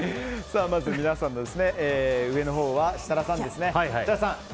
まず上のほうは設楽さんですね。